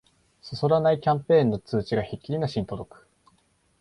そそらないキャンペーンの通知がひっきりなしに届く